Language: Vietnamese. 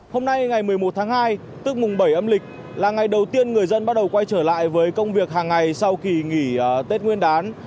hôm nay ngày một mươi một tháng hai tức mùng bảy âm lịch là ngày đầu tiên người dân bắt đầu quay trở lại với công việc hàng ngày sau kỳ nghỉ tết nguyên đán